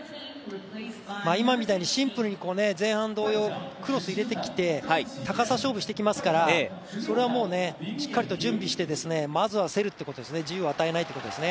今みたいにシンプルに前半同様クロスを入れてきて、高さ勝負してきますから、それはしっかりと準備してまずは競るっていうことですね自由を与えないということです。